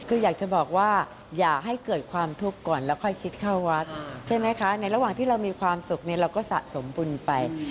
คืออยากจะบอกว่าอย่าให้เกิดความทุกข์ก่อนแล้วค่อยคิดเข้าวัดใช่ไหมคะในระหว่างที่เรามีความสุขเนี่ยเราก็สะสมบุญไป